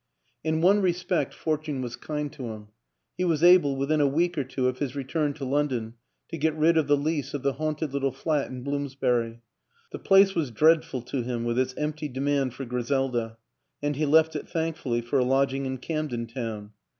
In one respect fortune was kind to him; he was able, within a week or two of his return to Lon don, to get rid of the lease of the haunted little flat in Bloomsbury. The place was dreadful to him, with its empty demand for Griselda, and he left it thankfully for a lodging in Camden Town.